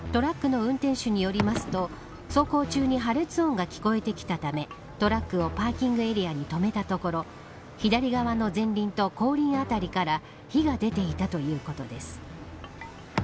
トラックの運転手によりますと走行中に破裂音が聞こえてきたためトラックをパーキングエリアに止めたところ左側の前輪と後輪あたりから火が出ていたということです。